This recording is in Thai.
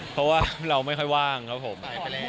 เพราะว่าเราไม่ค่อยว่างครับผม